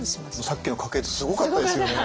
さっきの家系図すごかったですよね。